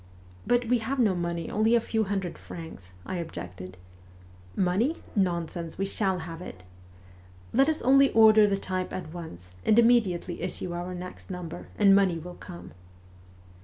' But we have no money, only a few hundred francs,' I objected. ' Money ? nonsense ! We shall have it ! Let us only order the type at once and immediately issue our next number, and money will come